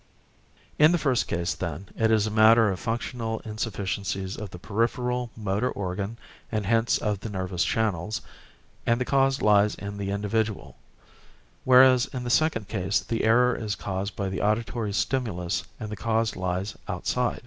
In the first case, then, it is a matter of functional insufficiencies of the peripheral motor organ and hence of the nervous channels, and the cause lies in the individual; whereas in the second case the error is caused by the auditory stimulus and the cause lies outside.